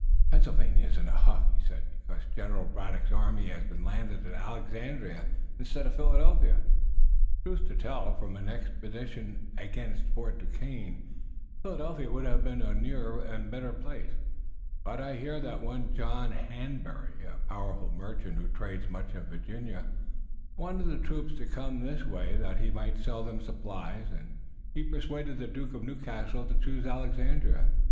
"Pennsylvania is in a huff," he said, "because General Braddock's army has been landed at Alexandria instead of Philadelphia. Truth to tell, for an expedition against Fort Duquesne, Philadelphia would have been a nearer and better place, but I hear that one John Hanbury, a powerful merchant who trades much in Virginia, wanted the troops to come this way that he might sell them supplies, and he persuaded the Duke of Newcastle to choose Alexandria.